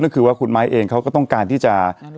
ก็คือว่าคุณไม้เองเขาก็ต้องการที่จะ